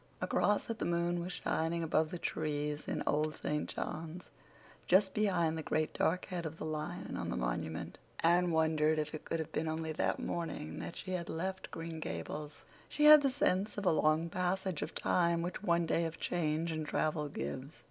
Across it the moon was shining above the trees in Old St. John's, just behind the great dark head of the lion on the monument. Anne wondered if it could have been only that morning that she had left Green Gables. She had the sense of a long passage of time which one day of change and travel gives.